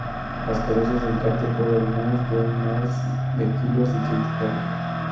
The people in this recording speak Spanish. Los cabezas de cartel fueron: Muse, Bruno Mars, The Killers y Katy Perry.